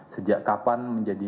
sejak kapan menjadi